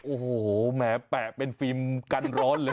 โอ้โหแหมแปะเป็นฟิล์มกันร้อนเลย